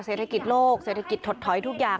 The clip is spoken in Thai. เศรษฐกิจโลกเศรษฐกิจถดถอยทุกอย่าง